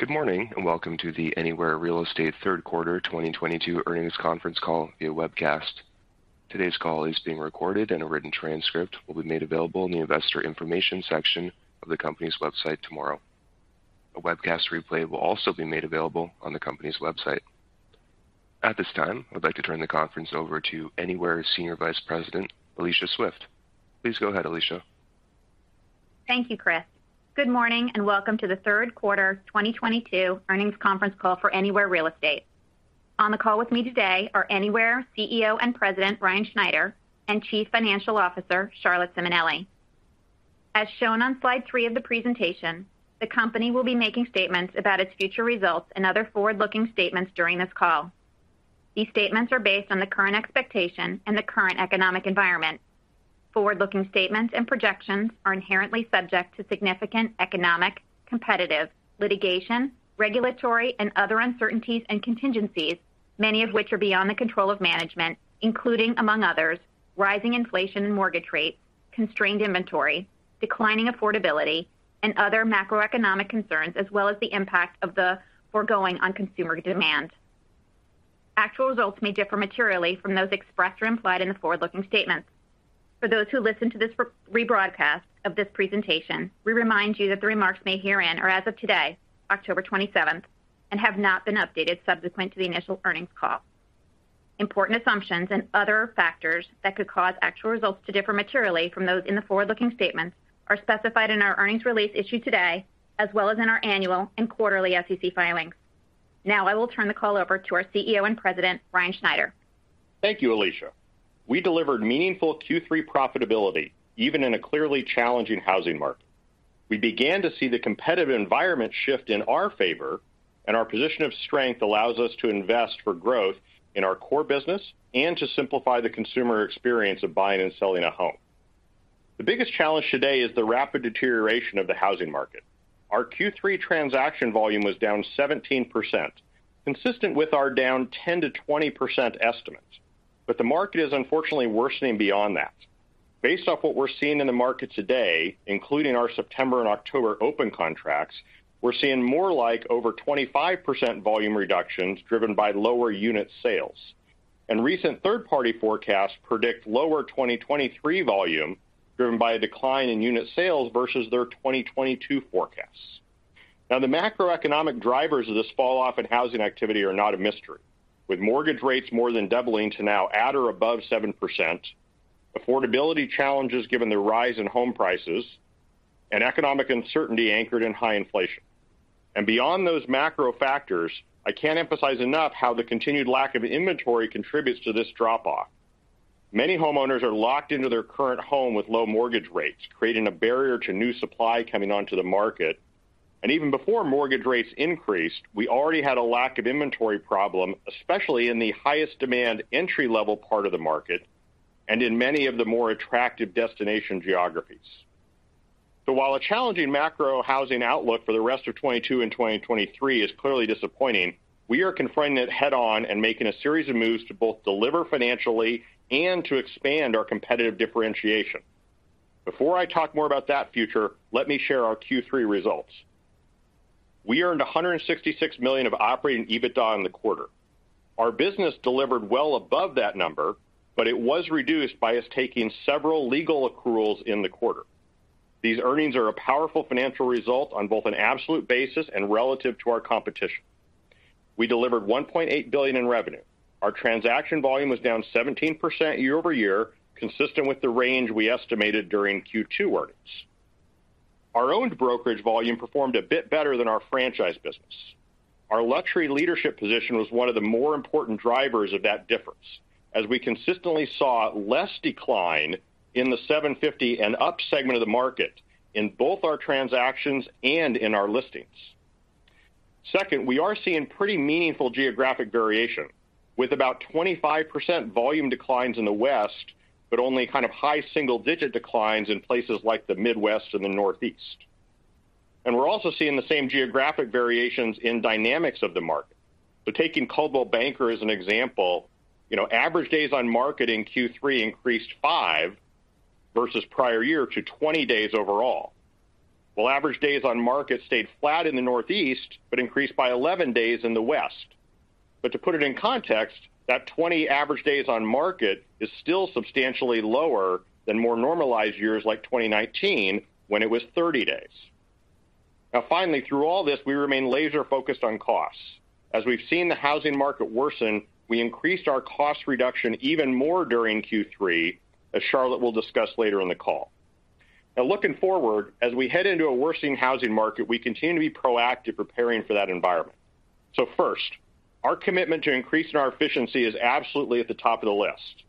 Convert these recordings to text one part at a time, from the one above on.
Good morning, and welcome to the Anywhere Real Estate third quarter 2022 earnings conference call via webcast. Today's call is being recorded and a written transcript will be made available in the Investor Information section of the company's website tomorrow. A webcast replay will also be made available on the company's website. At this time, I'd like to turn the conference over to Anywhere Senior Vice President, Alicia Swift. Please go ahead, Alicia. Thank you, Chris. Good morning, and welcome to the third quarter 2022 earnings conference call for Anywhere Real Estate. On the call with me today are Anywhere CEO and President, Ryan Schneider, and Chief Financial Officer, Charlotte Simonelli. As shown on slide three of the presentation, the company will be making statements about its future results and other forward-looking statements during this call. These statements are based on the current expectation and the current economic environment. Forward-looking statements and projections are inherently subject to significant economic, competitive, litigation, regulatory, and other uncertainties and contingencies, many of which are beyond the control of management, including among others, rising inflation and mortgage rates, constrained inventory, declining affordability, and other macroeconomic concerns, as well as the impact of the foregoing on consumer demand. Actual results may differ materially from those expressed or implied in the forward-looking statements. For those who listen to this rebroadcast of this presentation, we remind you that the remarks made herein are as of today, October 27th, and have not been updated subsequent to the initial earnings call. Important assumptions and other factors that could cause actual results to differ materially from those in the forward-looking statements are specified in our earnings release issued today, as well as in our annual and quarterly SEC filings. Now, I will turn the call over to our CEO and President, Ryan Schneider. Thank you, Alicia. We delivered meaningful Q3 profitability, even in a clearly challenging housing market. We began to see the competitive environment shift in our favor, and our position of strength allows us to invest for growth in our core business and to simplify the consumer experience of buying and selling a home. The biggest challenge today is the rapid deterioration of the housing market. Our Q3 transaction volume was down 17%, consistent with our down 10%-20% estimates. The market is unfortunately worsening beyond that. Based off what we're seeing in the market today, including our September and October open contracts, we're seeing more like over 25% volume reductions driven by lower unit sales. Recent third-party forecasts predict lower 2023 volume driven by a decline in unit sales versus their 2022 forecasts. Now, the macroeconomic drivers of this falloff in housing activity are not a mystery. With mortgage rates more than doubling to now at or above 7%, affordability challenges given the rise in home prices, and economic uncertainty anchored in high inflation. Beyond those macro factors, I can't emphasize enough how the continued lack of inventory contributes to this drop off. Many homeowners are locked into their current home with low mortgage rates, creating a barrier to new supply coming onto the market. Even before mortgage rates increased, we already had a lack of inventory problem, especially in the highest demand entry-level part of the market, and in many of the more attractive destination geographies. While a challenging macro housing outlook for the rest of 2022 and 2023 is clearly disappointing, we are confronting it head on and making a series of moves to both deliver financially and to expand our competitive differentiation. Before I talk more about that future, let me share our Q3 results. We earned $166 million of operating EBITDA in the quarter. Our business delivered well above that number, but it was reduced by us taking several legal accruals in the quarter. These earnings are a powerful financial result on both an absolute basis and relative to our competition. We delivered $1.8 billion in revenue. Our transaction volume was down 17% year-over-year, consistent with the range we estimated during Q2 earnings. Our owned brokerage volume performed a bit better than our franchise business. Our luxury leadership position was one of the more important drivers of that difference, as we consistently saw less decline in the 750 and up segment of the market in both our transactions and in our listings. Second, we are seeing pretty meaningful geographic variation with about 25% volume declines in the West, but only kind of high single-digit declines in places like the Midwest and the Northeast. We're also seeing the same geographic variations in dynamics of the market. Taking Coldwell Banker as an example, you know, average days on market in Q3 increased five versus prior year to 20 days overall, while average days on market stayed flat in the Northeast, but increased by 11 days in the West. To put it in context, that 20 average days on market is still substantially lower than more normalized years like 2019, when it was 30 days. Now, finally, through all this, we remain laser-focused on costs. As we've seen the housing market worsen, we increased our cost reduction even more during Q3, as Charlotte will discuss later in the call. Now looking forward, as we head into a worsening housing market, we continue to be proactive preparing for that environment. First, our commitment to increasing our efficiency is absolutely at the top of the list.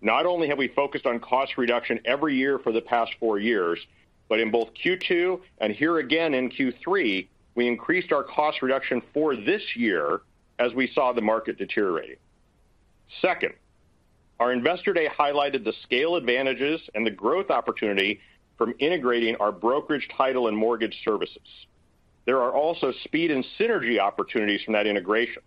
Not only have we focused on cost reduction every year for the past four years, but in both Q2 and here again in Q3, we increased our cost reduction for this year as we saw the market deteriorate. Second, our Investor Day highlighted the scale advantages and the growth opportunity from integrating our brokerage title and mortgage services. There are also speed and synergy opportunities from that integration.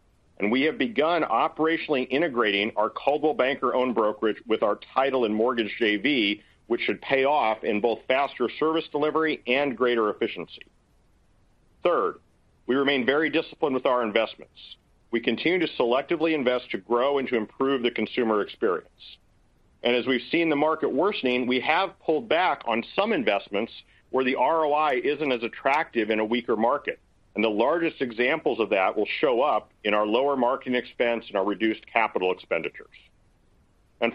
We have begun operationally integrating our Coldwell Banker owned brokerage with our title and mortgage JV, which should pay off in both faster service delivery and greater efficiency. Third, we remain very disciplined with our investments. We continue to selectively invest to grow and to improve the consumer experience. As we've seen the market worsening, we have pulled back on some investments where the ROI isn't as attractive in a weaker market. The largest examples of that will show up in our lower marketing expense and our reduced capital expenditures.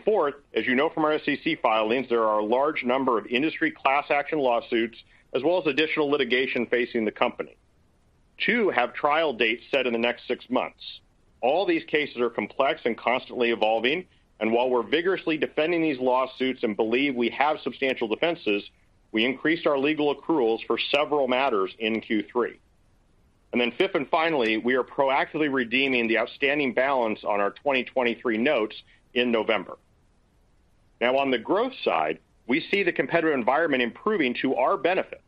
Fourth, as you know from our SEC filings, there are a large number of industry class action lawsuits as well as additional litigation facing the company. Two have trial dates set in the next six months. All these cases are complex and constantly evolving, and while we're vigorously defending these lawsuits and believe we have substantial defenses, we increased our legal accruals for several matters in Q3. Then fifth and finally, we are proactively redeeming the outstanding balance on our 2023 notes in November. Now on the growth side, we see the competitive environment improving to our benefit,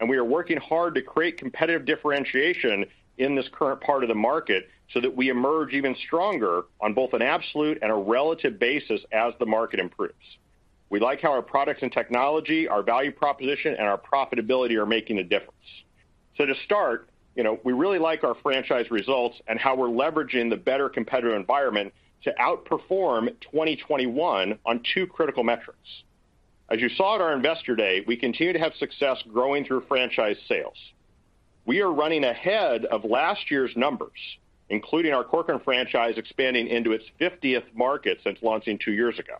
and we are working hard to create competitive differentiation in this current part of the market so that we emerge even stronger on both an absolute and a relative basis as the market improves. We like how our products and technology, our value proposition, and our profitability are making a difference. To start, you know, we really like our franchise results and how we're leveraging the better competitive environment to outperform 2021 on two critical metrics. As you saw at our Investor Day, we continue to have success growing through franchise sales. We are running ahead of last year's numbers, including our Corcoran franchise expanding into its fiftieth market since launching two years ago.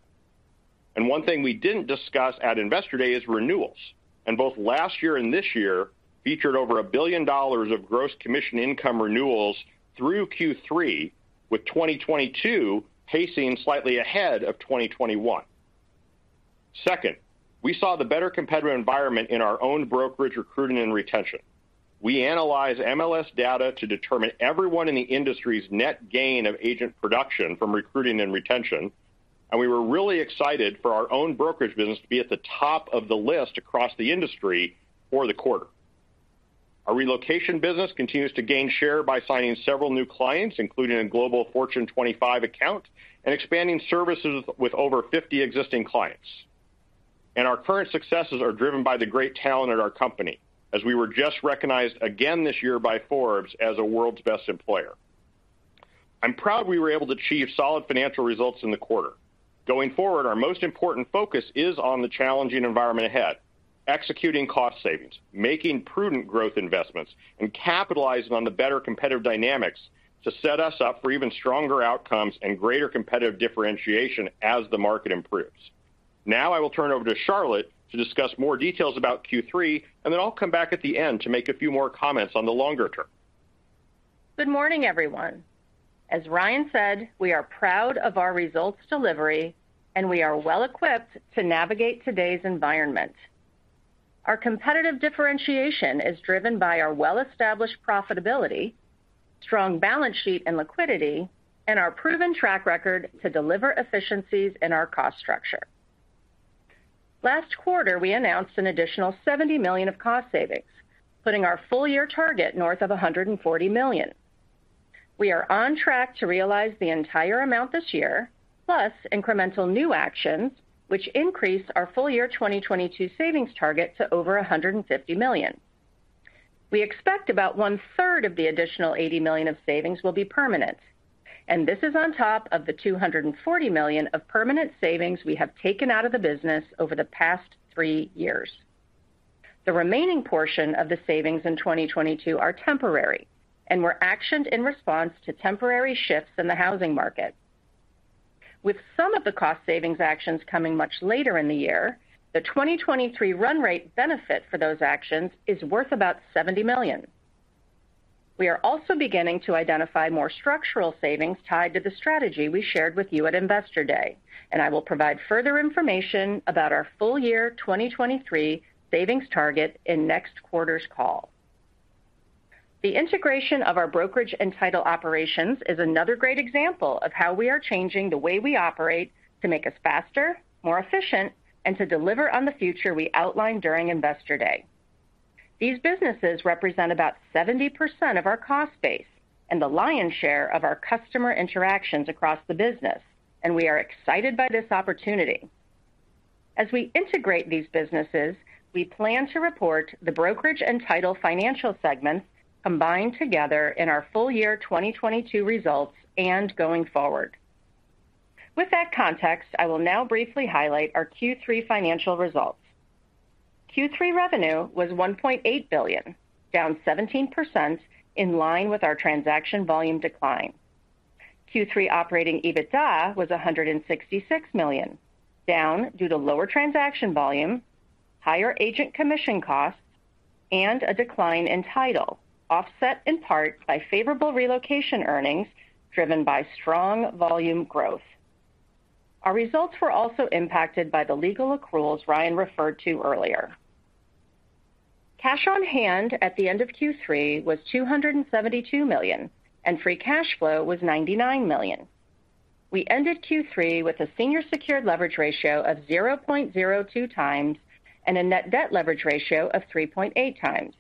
One thing we didn't discuss at Investor Day is renewals. Both last year and this year featured over $1 billion of gross commission income renewals through Q3, with 2022 pacing slightly ahead of 2021. Second, we saw the better competitive environment in our own brokerage recruiting and retention. We analyze MLS data to determine everyone in the industry's net gain of agent production from recruiting and retention, and we were really excited for our own brokerage business to be at the top of the list across the industry for the quarter. Our relocation business continues to gain share by signing several new clients, including a global Fortune 25 account, and expanding services with over 50 existing clients. Our current successes are driven by the great talent at our company, as we were just recognized again this year by Forbes as a World's Best Employers. I'm proud we were able to achieve solid financial results in the quarter. Going forward, our most important focus is on the challenging environment ahead, executing cost savings, making prudent growth investments, and capitalizing on the better competitive dynamics to set us up for even stronger outcomes and greater competitive differentiation as the market improves. Now, I will turn it over to Charlotte to discuss more details about Q3, and then I'll come back at the end to make a few more comments on the longer term. Good morning, everyone. As Ryan said, we are proud of our results delivery, and we are well-equipped to navigate today's environment. Our competitive differentiation is driven by our well-established profitability, strong balance sheet and liquidity, and our proven track record to deliver efficiencies in our cost structure. Last quarter, we announced an additional $70 million of cost savings, putting our full year target north of $140 million. We are on track to realize the entire amount this year, plus incremental new actions, which increase our full year 2022 savings target to over $150 million. We expect about one-third of the additional $80 million of savings will be permanent. This is on top of the $240 million of permanent savings we have taken out of the business over the past three years. The remaining portion of the savings in 2022 are temporary and were actioned in response to temporary shifts in the housing market. With some of the cost savings actions coming much later in the year, the 2023 run rate benefit for those actions is worth about $70 million. We are also beginning to identify more structural savings tied to the strategy we shared with you at Investor Day, and I will provide further information about our full year 2023 savings target in next quarter's call. The integration of our brokerage and title operations is another great example of how we are changing the way we operate to make us faster, more efficient, and to deliver on the future we outlined during Investor Day. These businesses represent about 70% of our cost base and the lion's share of our customer interactions across the business, and we are excited by this opportunity. As we integrate these businesses, we plan to report the brokerage and title financial segments combined together in our full year 2022 results and going forward. With that context, I will now briefly highlight our Q3 financial results. Q3 revenue was $1.8 billion, down 17% in line with our transaction volume decline. Q3 operating EBITDA was $166 million, down due to lower transaction volume, higher agent commission costs, and a decline in title, offset in part by favorable relocation earnings driven by strong volume growth. Our results were also impacted by the legal accruals Ryan referred to earlier. Cash on hand at the end of Q3 was $272 million, and free cash flow was $99 million. We ended Q3 with a senior secured leverage ratio of 0.02 times and a net debt leverage ratio of 3.8 times.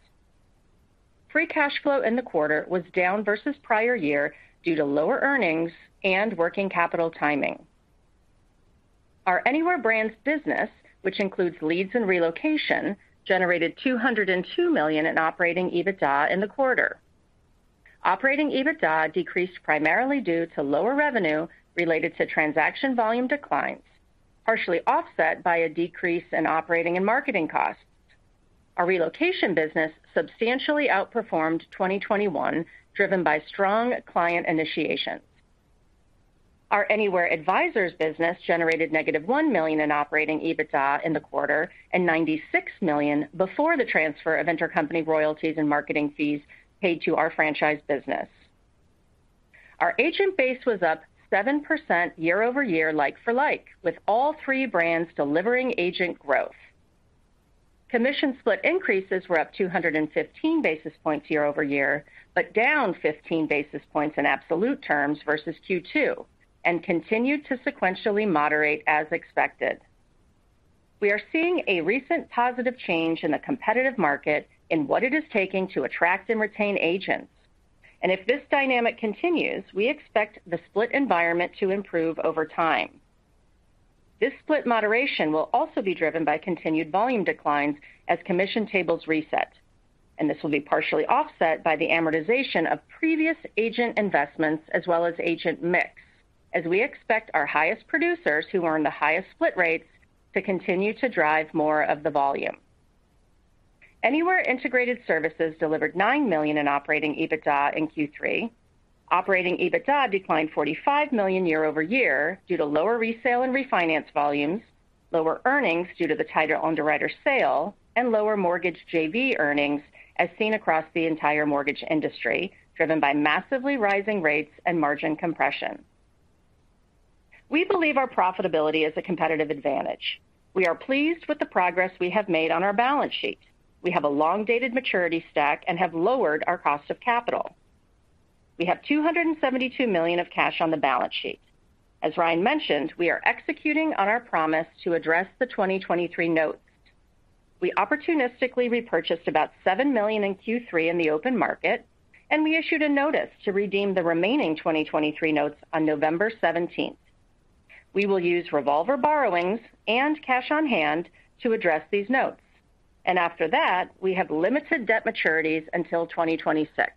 Free cash flow in the quarter was down versus prior year due to lower earnings and working capital timing. Our Anywhere Brands business, which includes leads and relocation, generated $202 million in operating EBITDA in the quarter. Operating EBITDA decreased primarily due to lower revenue related to transaction volume declines, partially offset by a decrease in operating and marketing costs. Our relocation business substantially outperformed 2021, driven by strong client initiations. Our Anywhere Advisors business generated -$1 million in operating EBITDA in the quarter and $96 million before the transfer of intercompany royalties and marketing fees paid to our franchise business. Our agent base was up 7% year-over-year, like-for-like, with all three brands delivering agent growth. Commission split increases were up 215 basis points year-over-year, but down 15 basis points in absolute terms versus Q2, and continued to sequentially moderate as expected. We are seeing a recent positive change in the competitive market in what it is taking to attract and retain agents. If this dynamic continues, we expect the split environment to improve over time. This split moderation will also be driven by continued volume declines as commission tables reset, and this will be partially offset by the amortization of previous agent investments as well as agent mix, as we expect our highest producers who earn the highest split rates to continue to drive more of the volume. Anywhere Integrated Services delivered $9 million in operating EBITDA in Q3. Operating EBITDA declined $45 million year-over-year due to lower resale and refinance volumes, lower earnings due to the title underwriter sale, and lower mortgage JV earnings as seen across the entire mortgage industry, driven by massively rising rates and margin compression. We believe our profitability is a competitive advantage. We are pleased with the progress we have made on our balance sheet. We have a long-dated maturity stack and have lowered our cost of capital. We have $272 million of cash on the balance sheet. As Ryan mentioned, we are executing on our promise to address the 2023 notes. We opportunistically repurchased about $7 million in Q3 in the open market, and we issued a notice to redeem the remaining 2023 notes on November 17th. We will use revolver borrowings and cash on hand to address these notes. After that, we have limited debt maturities until 2026.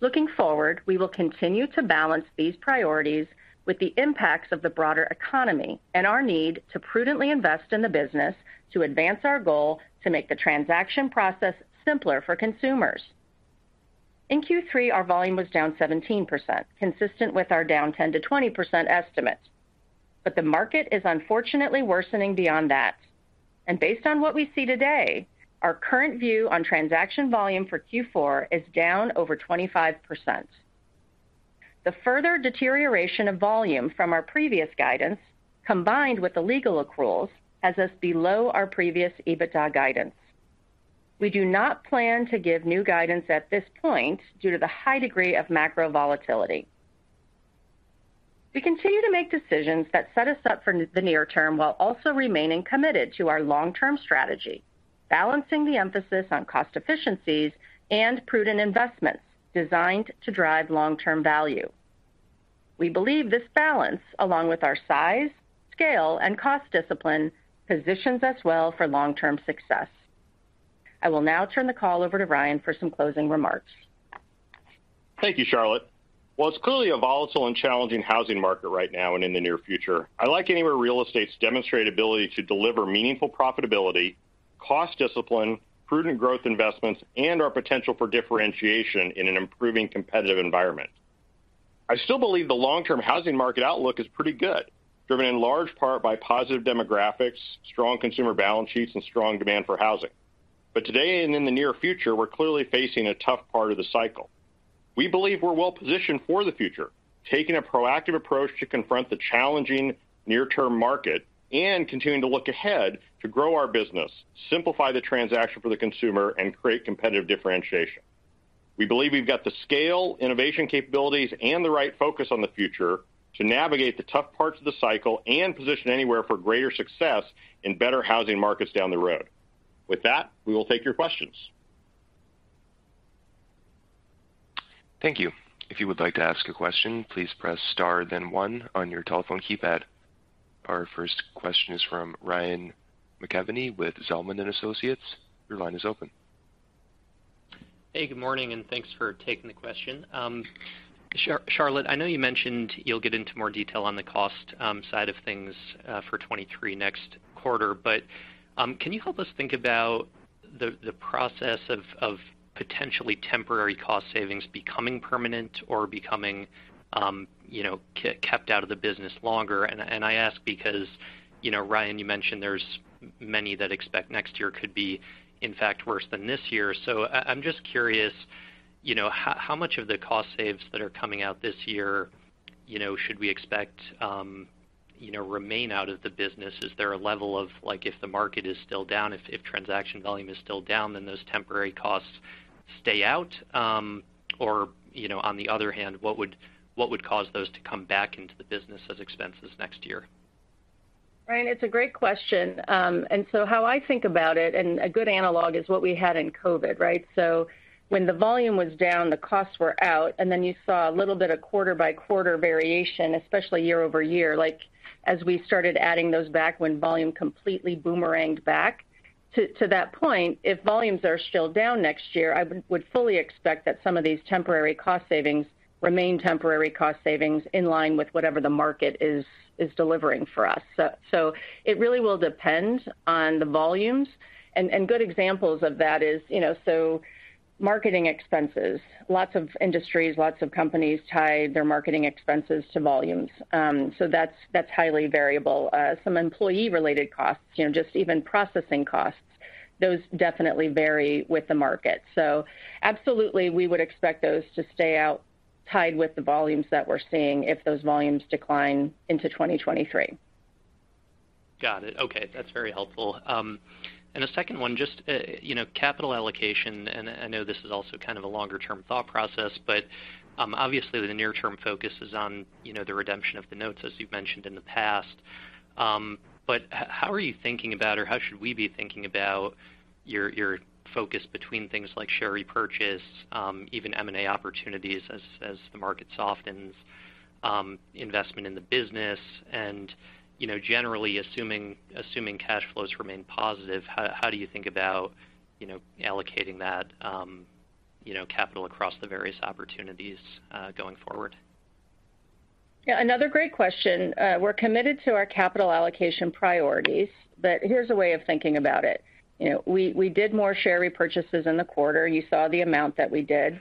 Looking forward, we will continue to balance these priorities with the impacts of the broader economy and our need to prudently invest in the business to advance our goal to make the transaction process simpler for consumers. In Q3, our volume was down 17%, consistent with our down 10%-20% estimate. The market is unfortunately worsening beyond that. Based on what we see today, our current view on transaction volume for Q4 is down over 25%. The further deterioration of volume from our previous guidance, combined with the legal accruals, has us below our previous EBITDA guidance. We do not plan to give new guidance at this point due to the high degree of macro volatility. We continue to make decisions that set us up for the near term while also remaining committed to our long-term strategy, balancing the emphasis on cost efficiencies and prudent investments designed to drive long-term value. We believe this balance, along with our size, scale, and cost discipline, positions us well for long-term success. I will now turn the call over to Ryan for some closing remarks. Thank you, Charlotte. While it's clearly a volatile and challenging housing market right now and in the near future, I like Anywhere Real Estate's demonstrated ability to deliver meaningful profitability, cost discipline, prudent growth investments, and our potential for differentiation in an improving competitive environment. I still believe the long-term housing market outlook is pretty good, driven in large part by positive demographics, strong consumer balance sheets, and strong demand for housing. Today and in the near future, we're clearly facing a tough part of the cycle. We believe we're well-positioned for the future, taking a proactive approach to confront the challenging near-term market and continuing to look ahead to grow our business, simplify the transaction for the consumer, and create competitive differentiation. We believe we've got the scale, innovation capabilities, and the right focus on the future to navigate the tough parts of the cycle and position Anywhere for greater success in better housing markets down the road. With that, we will take your questions. Thank you. If you would like to ask a question, please press star then one on your telephone keypad. Our first question is from Ryan McKeveny with Zelman & Associates. Your line is open. Hey, good morning, and thanks for taking the question. Charlotte, I know you mentioned you'll get into more detail on the cost side of things for 2023 next quarter. Can you help us think about the process of potentially temporary cost savings becoming permanent or becoming, you know, kept out of the business longer? I ask because, you know, Ryan, you mentioned there's many that expect next year could be in fact worse than this year. I'm just curious, you know, how much of the cost savings that are coming out this year, you know, should we expect remain out of the business. Is there a level of like if the market is still down, if transaction volume is still down, then those temporary costs stay out? you know, on the other hand, what would cause those to come back into the business as expenses next year? Ryan, it's a great question. How I think about it, and a good analog is what we had in COVID, right? When the volume was down, the costs were out, and then you saw a little bit of quarter-by-quarter variation, especially year-over-year, like as we started adding those back when volume completely boomeranged back. To that point, if volumes are still down next year, I would fully expect that some of these temporary cost savings remain temporary cost savings in line with whatever the market is delivering for us. It really will depend on the volumes. Good examples of that is, you know, so marketing expenses. Lots of industries, lots of companies tie their marketing expenses to volumes. That's highly variable. Some employee-related costs, you know, just even processing costs, those definitely vary with the market. Absolutely, we would expect those to stay muted with the volumes that we're seeing if those volumes decline into 2023. Got it. Okay. That's very helpful. The second one, just, you know, capital allocation, and I know this is also kind of a longer-term thought process, but obviously, the near-term focus is on, you know, the redemption of the notes, as you've mentioned in the past. How are you thinking about, or how should we be thinking about your focus between things like share repurchase, even M&A opportunities as the market softens, investment in the business and, you know, generally assuming cash flows remain positive, how do you think about, you know, allocating that, you know, capital across the various opportunities, going forward? Yeah, another great question. We're committed to our capital allocation priorities, but here's a way of thinking about it. You know, we did more share repurchases in the quarter. You saw the amount that we did.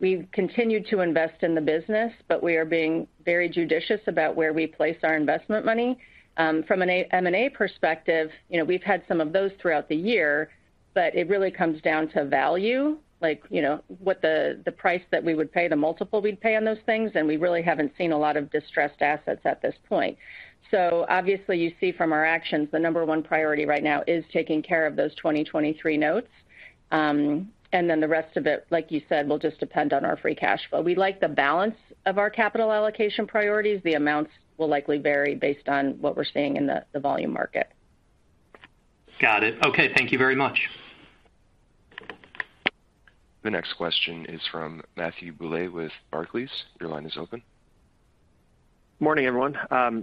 We've continued to invest in the business, but we are being very judicious about where we place our investment money. From an M&A perspective, you know, we've had some of those throughout the year, but it really comes down to value, like, you know, what the price that we would pay, the multiple we'd pay on those things, and we really haven't seen a lot of distressed assets at this point. Obviously, you see from our actions, the number one priority right now is taking care of those 2023 notes. The rest of it, like you said, will just depend on our free cash flow. We like the balance of our capital allocation priorities. The amounts will likely vary based on what we're seeing in the volume market. Got it. Okay. Thank you very much. The next question is from Matthew Bouley with Barclays. Your line is open. Morning, everyone.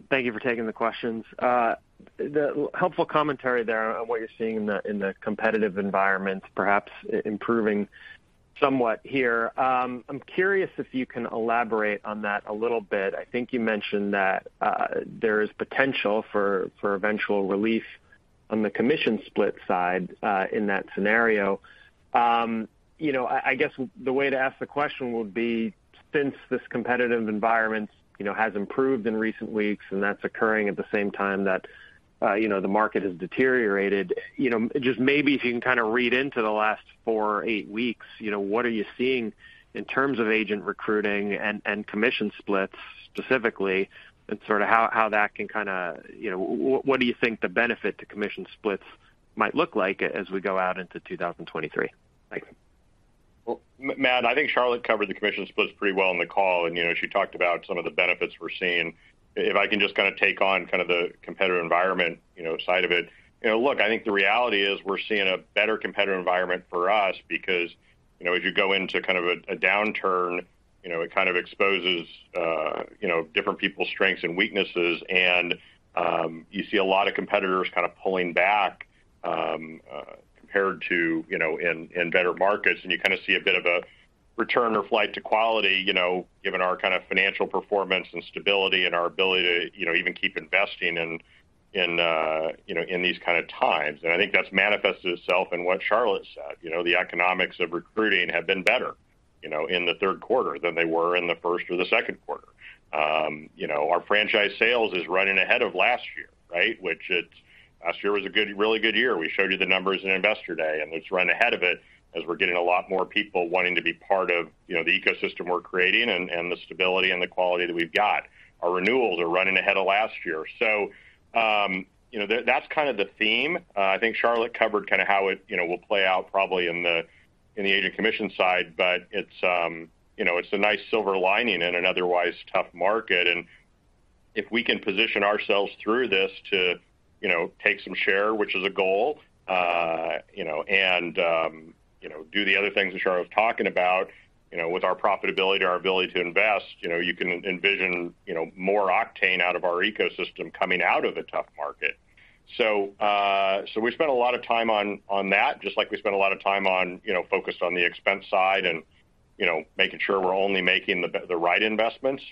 Thank you for taking the questions. The helpful commentary there on what you're seeing in the competitive environment, perhaps improving somewhat here. I'm curious if you can elaborate on that a little bit. I think you mentioned that there is potential for eventual relief on the commission split side in that scenario. You know, I guess the way to ask the question would be since this competitive environment, you know, has improved in recent weeks, and that's occurring at the same time that, you know, the market has deteriorated. You know, just maybe if you can kinda read into the last four or eight weeks, you know, what are you seeing in terms of agent recruiting and commission splits specifically, and sort of how that can kinda. You know, what do you think the benefit to commission splits might look like as we go out into 2023? Thanks. Well, Matt, I think Charlotte covered the commission splits pretty well in the call, and, you know, she talked about some of the benefits we're seeing. If I can just kinda take on kind of the competitive environment, you know, side of it. You know, look, I think the reality is we're seeing a better competitive environment for us because, you know, as you go into kind of a downturn, you know, it kind of exposes, you know, different people's strengths and weaknesses. You see a lot of competitors kind of pulling back compared to, you know, in better markets, and you kinda see a bit of a return or flight to quality, you know, given our kind of financial performance and stability and our ability to, you know, even keep investing in these kind of times. I think that's manifested itself in what Charlotte said. You know, the economics of recruiting have been better, you know, in the third quarter than they were in the first or the second quarter. You know, our franchise sales is running ahead of last year, right? Last year was a really good year. We showed you the numbers in Investor Day, and it's run ahead of it as we're getting a lot more people wanting to be part of, you know, the ecosystem we're creating and the stability and the quality that we've got. Our renewals are running ahead of last year. You know, that's kind of the theme. I think Charlotte covered kinda how it, you know, will play out probably in the agent commission side, but it's, you know, it's a nice silver lining in an otherwise tough market. If we can position ourselves through this to, you know, take some share, which is a goal, you know, and, you know, do the other things that Charlotte was talking about, you know, with our profitability, our ability to invest, you know, you can envision, you know, more octane out of our ecosystem coming out of a tough market. We spent a lot of time on that, just like we spent a lot of time on, you know, focused on the expense side and, you know, making sure we're only making the right investments.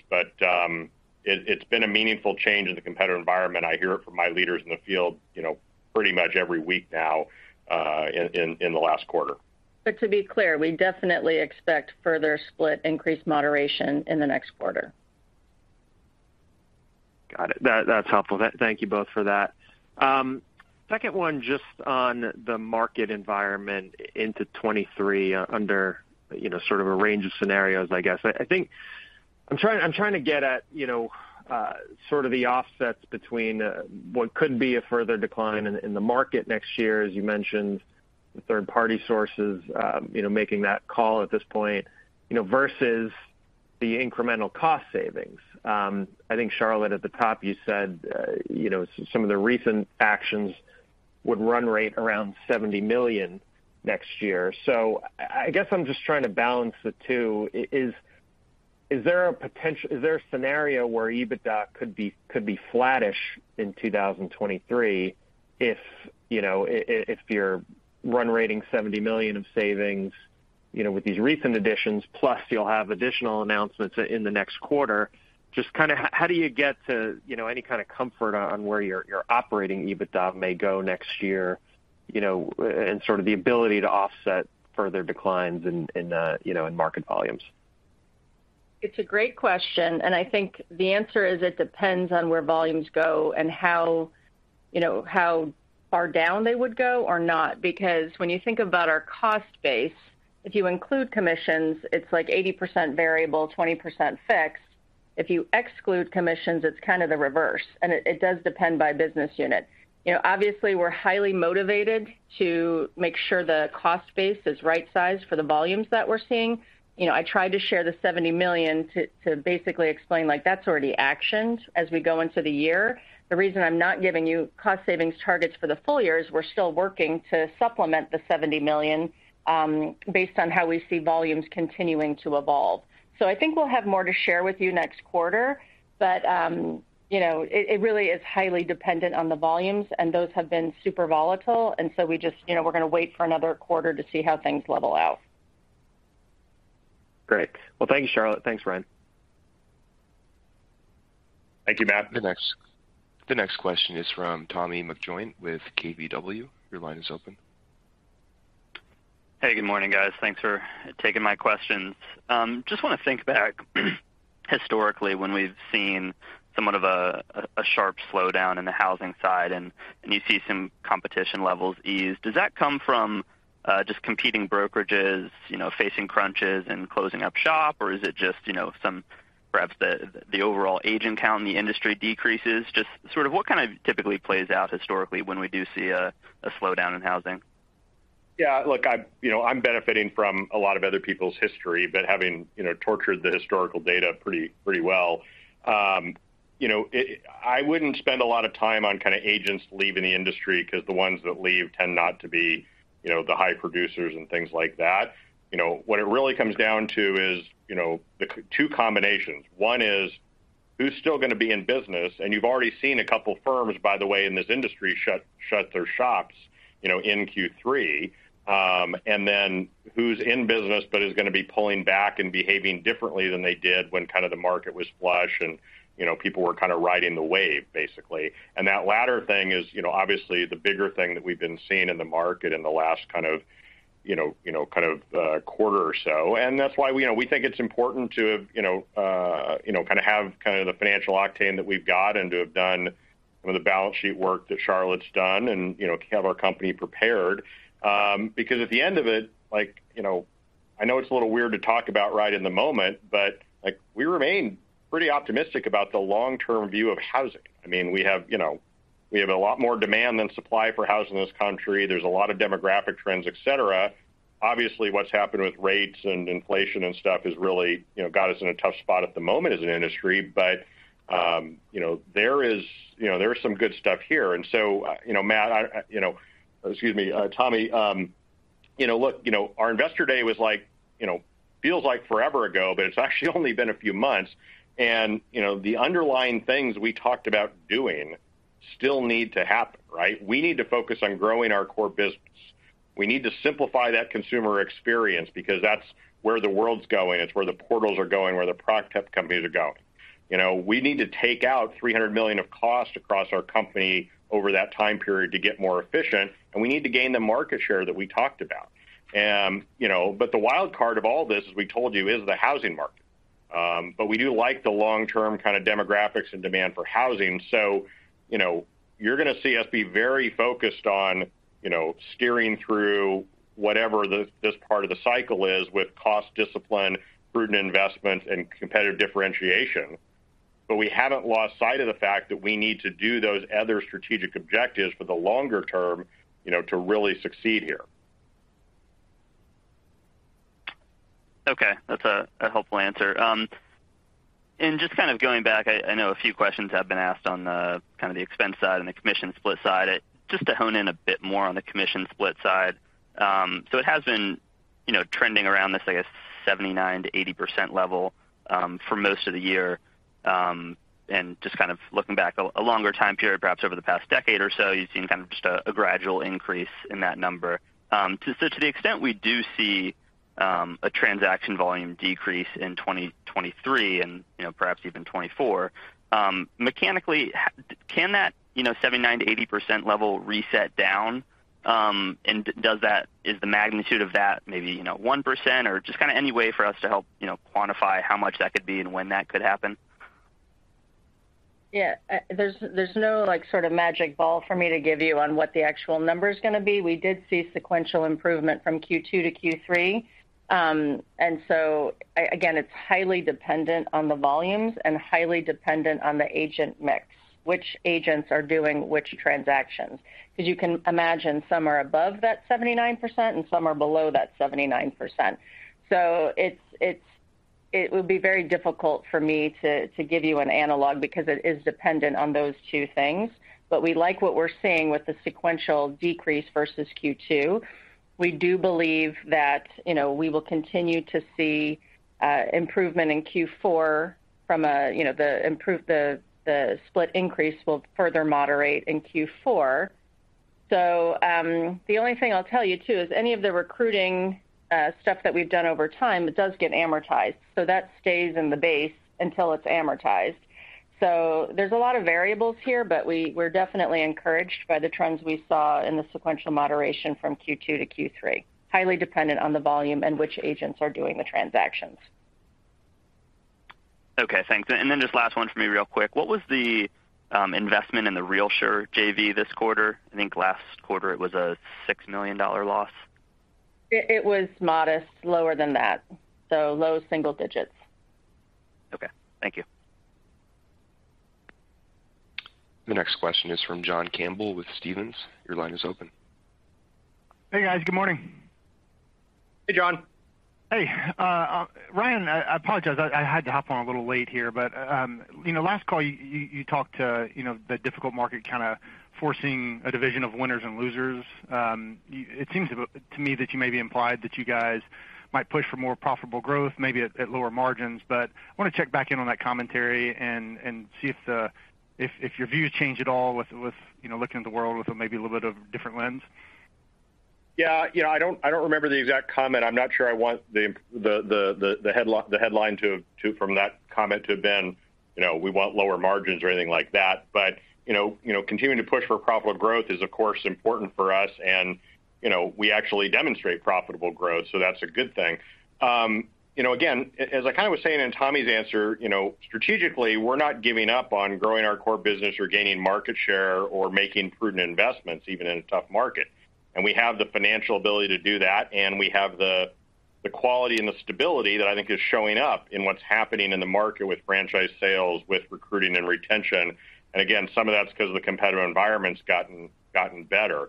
It's been a meaningful change in the competitive environment. I hear it from my leaders in the field, you know, pretty much every week now, in the last quarter. To be clear, we definitely expect further split increase moderation in the next quarter. Got it. That's helpful. Thank you both for that. Second one, just on the market environment into 2023 under, you know, sort of a range of scenarios, I guess. I think I'm trying to get at, you know, sort of the offsets between what could be a further decline in the market next year, as you mentioned, the third-party sources, you know, making that call at this point, you know, versus the incremental cost savings. I think Charlotte at the top, you said, you know, some of the recent actions would run rate around $70 million next year. I guess I'm just trying to balance the two. Is there a scenario where EBITDA could be flattish in 2023 if, you know, if you're run-rate $70 million of savings, you know, with these recent additions, plus you'll have additional announcements in the next quarter? Just kind of how do you get to, you know, any kind of comfort on where your operating EBITDA may go next year, you know, and sort of the ability to offset further declines in, you know, in market volumes? It's a great question, and I think the answer is it depends on where volumes go and how, you know, how far down they would go or not. Because when you think about our cost base, if you include commissions, it's like 80% variable, 20% fixed. If you exclude commissions, it's kind of the reverse, and it does depend by business unit. You know, obviously, we're highly motivated to make sure the cost base is right sized for the volumes that we're seeing. You know, I tried to share the $70 million to basically explain, like, that's already actioned as we go into the year. The reason I'm not giving you cost savings targets for the full year is we're still working to supplement the $70 million based on how we see volumes continuing to evolve. I think we'll have more to share with you next quarter, but, you know, it really is highly dependent on the volumes, and those have been super volatile. We just, you know, we're gonna wait for another quarter to see how things level out. Great. Well, thank you, Charlotte. Thanks, Ryan. Thank you, Matt. The next question is from Thomas McJoynt-Griffith with KBW. Your line is open. Hey, good morning, guys. Thanks for taking my questions. Just wanna think back historically when we've seen somewhat of a sharp slowdown in the housing side and you see some competition levels ease. Does that come from just competing brokerages, you know, facing crunches and closing up shop? Or is it just, you know, some perhaps the overall agent count in the industry decreases? Just sort of what kind of typically plays out historically when we do see a slowdown in housing? Yeah. Look, I'm, you know, I'm benefiting from a lot of other people's history, but having, you know, tortured the historical data pretty well. You know, I wouldn't spend a lot of time on kind of agents leaving the industry 'cause the ones that leave tend not to be, you know, the high producers and things like that. You know, what it really comes down to is, you know, the two combinations. One is who's still gonna be in business, and you've already seen a couple firms, by the way, in this industry, shut their shops, you know, in Q3, and then who's in business but is gonna be pulling back and behaving differently than they did when kind of the market was flush and, you know, people were kind of riding the wave, basically. That latter thing is, you know, obviously the bigger thing that we've been seeing in the market in the last kind of quarter or so. That's why, you know, we think it's important to, you know, kind of have kind of the financial octane that we've got and to have done some of the balance sheet work that Charlotte's done and, you know, have our company prepared. Because at the end of it, like, you know, I know it's a little weird to talk about right in the moment, but, like, we remain pretty optimistic about the long-term view of housing. I mean, we have, you know, we have a lot more demand than supply for housing in this country. There's a lot of demographic trends, et cetera. Obviously, what's happened with rates and inflation and stuff has really, you know, got us in a tough spot at the moment as an industry. You know, there is some good stuff here. You know, look, you know, our Investor Day was like, you know, feels like forever ago, but it's actually only been a few months. You know, the underlying things we talked about doing still need to happen, right? We need to focus on growing our core business. We need to simplify that consumer experience because that's where the world's going. It's where the portals are going, where the prop tech companies are going. You know, we need to take out $300 million of cost across our company over that time period to get more efficient, and we need to gain the market share that we talked about. You know, but the wild card of all this, as we told you, is the housing market. We do like the long-term kind of demographics and demand for housing. You know, you're gonna see us be very focused on, you know, steering through whatever this part of the cycle is with cost discipline, prudent investment, and competitive differentiation. We haven't lost sight of the fact that we need to do those other strategic objectives for the longer term, you know, to really succeed here. Okay. That's a helpful answer. Just kind of going back, I know a few questions have been asked on the kind of the expense side and the commission split side. Just to hone in a bit more on the commission split side. It has been, you know, trending around this, I guess, 79%-80% level, for most of the year. Just kind of looking back a longer time period, perhaps over the past decade or so, you've seen kind of just a gradual increase in that number. To the extent we do see a transaction volume decrease in 2023 and, you know, perhaps even 2024, mechanically, can that 79%-80% level reset down? Is the magnitude of that maybe, you know, 1% or just kinda any way for us to help, you know, quantify how much that could be and when that could happen? Yeah, there's no, like, sort of magic ball for me to give you on what the actual number's gonna be. We did see sequential improvement from Q2 to Q3. Again, it's highly dependent on the volumes and highly dependent on the agent mix, which agents are doing which transactions. 'Cause you can imagine some are above that 79% and some are below that 79%. It would be very difficult for me to give you an analog because it is dependent on those two things. We like what we're seeing with the sequential decrease versus Q2. We do believe that, you know, we will continue to see improvement in Q4. You know, the split increase will further moderate in Q4. The only thing I'll tell you too is any of the recruiting stuff that we've done over time, it does get amortized, so that stays in the base until it's amortized. There's a lot of variables here, but we're definitely encouraged by the trends we saw in the sequential moderation from Q2 to Q3. Highly dependent on the volume and which agents are doing the transactions. Okay, thanks. Just last one for me real quick. What was the investment in the RealSure JV this quarter? I think last quarter it was a $6 million loss. It was modest, lower than that, so low single digits. Okay, thank you. The next question is from John Campbell with Stephens. Your line is open. Hey, guys. Good morning. Hey, John. Hey. Ryan, I apologize, I had to hop on a little late here, but you know, last call you talked to you know, the difficult market kinda forcing a division of winners and losers. It seems to me that you maybe implied that you guys might push for more profitable growth, maybe at lower margins. Wanna check back in on that commentary and see if your views change at all with you know, looking at the world with maybe a little bit of different lens. Yeah. You know, I don't remember the exact comment. I'm not sure I want the headline from that comment to have been, you know, we want lower margins or anything like that. You know, continuing to push for profitable growth is of course important for us and, you know, we actually demonstrate profitable growth, so that's a good thing. You know, again, as I kinda was saying in Tommy's answer, you know, strategically, we're not giving up on growing our core business or gaining market share or making prudent investments, even in a tough market. We have the financial ability to do that, and we have the quality and the stability that I think is showing up in what's happening in the market with franchise sales, with recruiting and retention. Again, some of that's 'cause of the competitive environment's gotten better.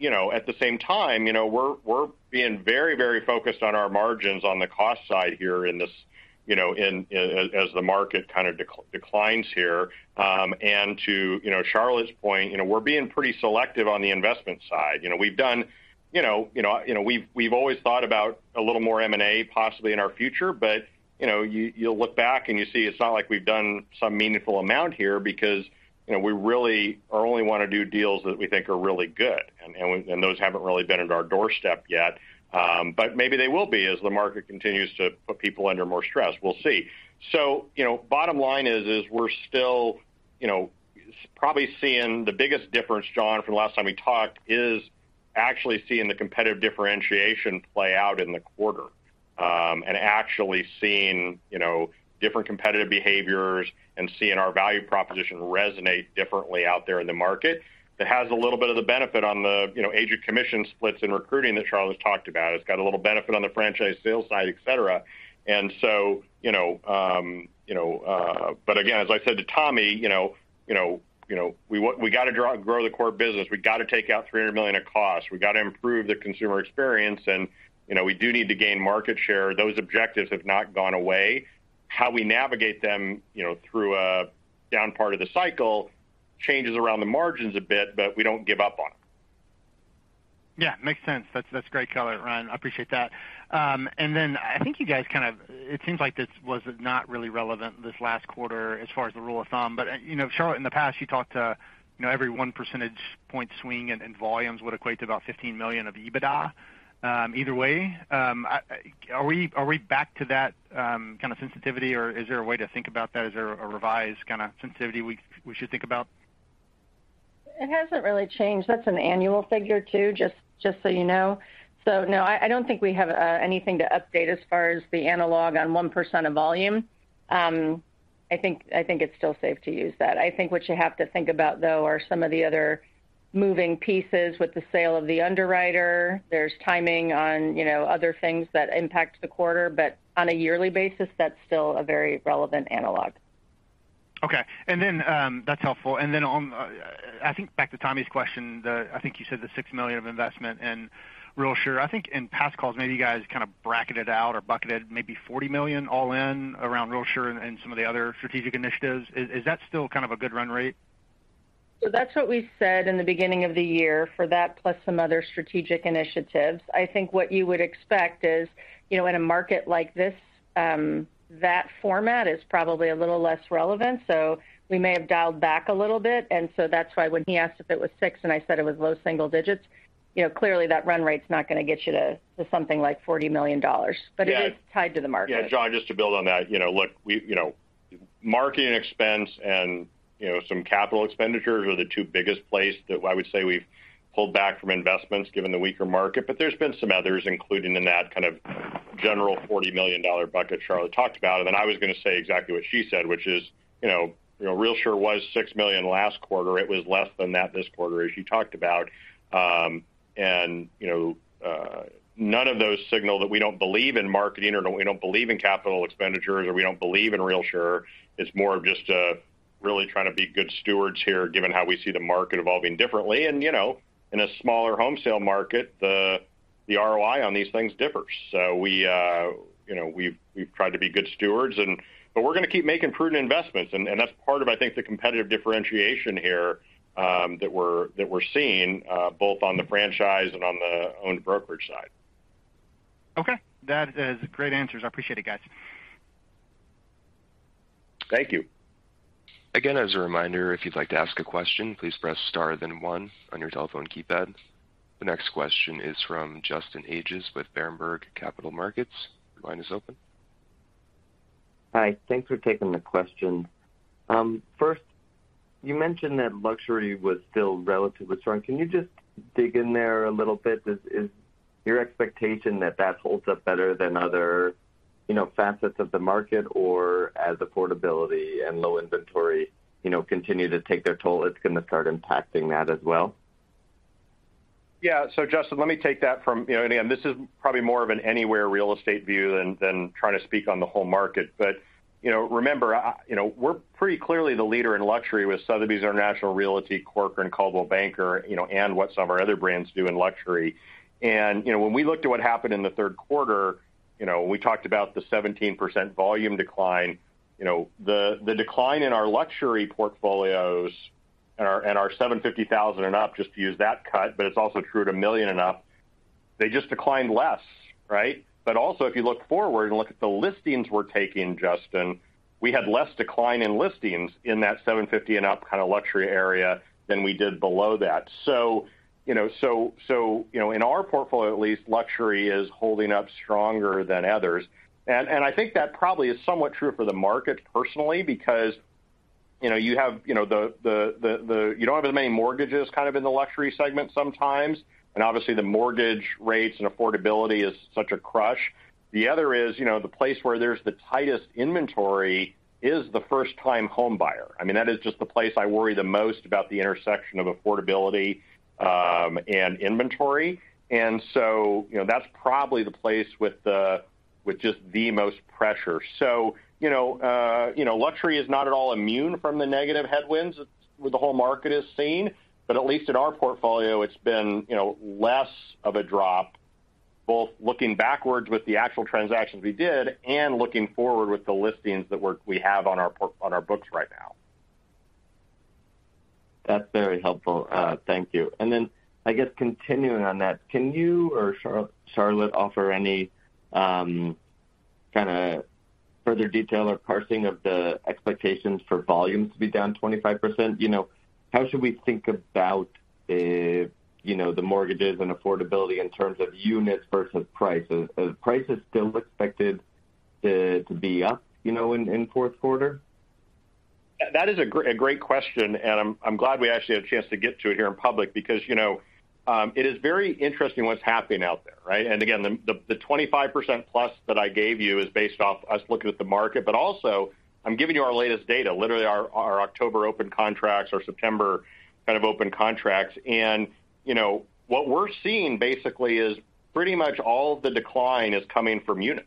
You know, at the same time, you know, we're being very focused on our margins on the cost side here in this, you know, as the market kind of declines here. To Charlotte's point, you know, we're being pretty selective on the investment side. You know, we've always thought about a little more M&A possibly in our future, but you know, you'll look back and you see it's not like we've done some meaningful amount here because, you know, we really only wanna do deals that we think are really good, and those haven't really been at our doorstep yet. Maybe they will be as the market continues to put people under more stress. We'll see. You know, bottom line is we're still, you know, probably seeing the biggest difference, John, from the last time we talked is actually seeing the competitive differentiation play out in the quarter. Actually seeing, you know, different competitive behaviors and seeing our value proposition resonate differently out there in the market. That has a little bit of the benefit on the, you know, agent commission splits and recruiting that Charlotte has talked about. It's got a little benefit on the franchise sales side, et cetera. You know, again, as I said to Tommy, you know, we gotta grow the core business. We've gotta take out $300 million of costs. We've gotta improve the consumer experience and, you know, we do need to gain market share. Those objectives have not gone away. How we navigate them, you know, through a down part of the cycle changes around the margins a bit, but we don't give up on them. Yeah, makes sense. That's great color, Ryan. I appreciate that. It seems like this was not really relevant this last quarter as far as the rule of thumb, but, you know, Charlotte, in the past, you talked about, you know, every one percentage point swing in volumes would equate to about $15 million of EBITDA. Either way, are we back to that kind of sensitivity or is there a way to think about that as a revised kinda sensitivity we should think about? It hasn't really changed. That's an annual figure too, just so you know. No, I don't think we have anything to update as far as the analog on 1% of volume. I think it's still safe to use that. I think what you have to think about though are some of the other moving pieces with the sale of the underwriter. There's timing on, you know, other things that impact the quarter, but on a yearly basis, that's still a very relevant analog. Okay. That's helpful. I think back to Tommy's question, I think you said the $6 million of investment in RealSure. I think in past calls, maybe you guys kind of bracketed out or bucketed maybe $40 million all in around RealSure and some of the other strategic initiatives. Is that still kind of a good run rate? That's what we said in the beginning of the year for that, plus some other strategic initiatives. I think what you would expect is, you know, in a market like this, that format is probably a little less relevant. We may have dialed back a little bit, and so that's why when he asked if it was 6 and I said it was low single digits, you know, clearly that run rate's not gonna get you to something like $40 million. Yeah. It is tied to the market. Yeah, John, just to build on that, you know, look, we, you know, Marketing expense and, you know, some capital expenditures are the two biggest place that I would say we've pulled back from investments given the weaker market. There's been some others, including in that kind of general $40 million bucket Charlotte talked about. Then I was gonna say exactly what she said, which is, you know, RealSure was $6 million last quarter. It was less than that this quarter, as you talked about. None of those signal that we don't believe in marketing or we don't believe in capital expenditures or we don't believe in RealSure. It's more of just really trying to be good stewards here, given how we see the market evolving differently. You know, in a smaller home sale market, the ROI on these things differs. We, you know, we've tried to be good stewards, but we're gonna keep making prudent investments, and that's part of, I think, the competitive differentiation here, that we're seeing both on the franchise and on the owned brokerage side. Okay. That is great answers. I appreciate it, guys. Thank you. Again, as a reminder, if you'd like to ask a question, please press star then one on your telephone keypad. The next question is from Justin Ages with Berenberg Capital Markets. Your line is open. Hi. Thanks for taking the question. First, you mentioned that luxury was still relatively strong. Can you just dig in there a little bit? Is your expectation that that holds up better than other, you know, facets of the market? Or as affordability and low inventory, you know, continue to take their toll, it's gonna start impacting that as well? Yeah. Justin, let me take that. You know, again, this is probably more of an Anywhere Real Estate view than trying to speak on the whole market. You know, remember, you know, we're pretty clearly the leader in luxury with Sotheby's International Realty, Corcoran, Coldwell Banker, you know, and what some of our other brands do in luxury. You know, when we looked at what happened in the third quarter, you know, we talked about the 17% volume decline. You know, the decline in our luxury portfolios and our, and our 750,000 and up, just to use that cut, but it's also true at a million and up, they just declined less, right? Also if you look forward and look at the listings we're taking, Justin, we had less decline in listings in that $750 and up kind of luxury area than we did below that. You know, in our portfolio at least, luxury is holding up stronger than others. I think that probably is somewhat true for the market personally, because you know, you have, you know, the. You don't have as many mortgages kind of in the luxury segment sometimes, and obviously the mortgage rates and affordability is such a crush. The other is, you know, the place where there's the tightest inventory is the first time home buyer. I mean, that is just the place I worry the most about the intersection of affordability, and inventory. You know, that's probably the place with the, with just the most pressure. You know, you know, luxury is not at all immune from the negative headwinds with the whole market is seeing, but at least in our portfolio, it's been, you know, less of a drop, both looking backwards with the actual transactions we did and looking forward with the listings that we have on our books right now. That's very helpful. Thank you. And then I guess continuing on that, can you or Charlotte offer any kinda further detail or parsing of the expectations for volumes to be down 25%? You know, how should we think about the, you know, the mortgages and affordability in terms of units versus price? Is price still expected to be up, you know, in fourth quarter? That is a great question, and I'm glad we actually had a chance to get to it here in public because, you know, it is very interesting what's happening out there, right? Again, the 25% plus that I gave you is based off us looking at the market. Also I'm giving you our latest data, literally our October open contracts, our September kind of open contracts. You know, what we're seeing basically is pretty much all the decline is coming from units,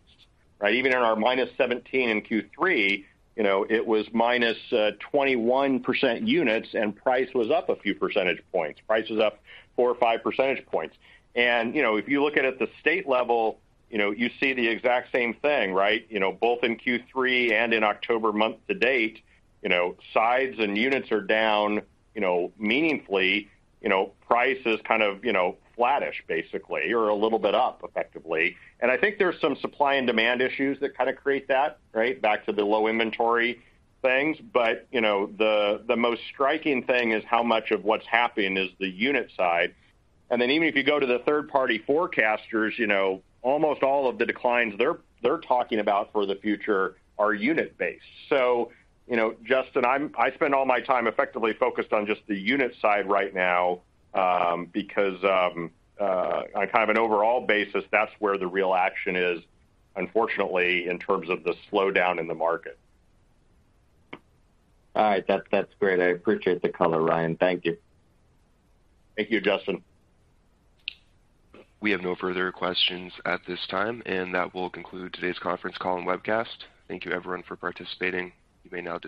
right? Even in our -17 in Q3, you know, it was -21% units and price was up a few percentage points. Price was up four or five percentage points. You know, if you look at it at the state level, you know, you see the exact same thing, right? You know, both in Q3 and in October month to date, you know, sides and units are down, you know, meaningfully. You know, price is kind of, you know, flattish basically, or a little bit up effectively. I think there's some supply and demand issues that kind of create that, right? Back to the low inventory things. The most striking thing is how much of what's happening is the unit side. Even if you go to the third party forecasters, you know, almost all of the declines they're talking about for the future are unit-based. You know, Justin, I spend all my time effectively focused on just the unit side right now, because on kind of an overall basis, that's where the real action is, unfortunately, in terms of the slowdown in the market. All right. That's great. I appreciate the color, Ryan. Thank you. Thank you, Justin. We have no further questions at this time, and that will conclude today's conference call and webcast. Thank you everyone for participating. You may now disconnect.